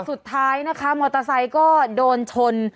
สุดท้ายนะคะมอเตอร์ไซค์ก็โดนชน